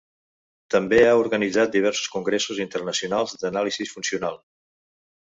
També ha organitzat diversos congressos internacionals d'anàlisi funcional.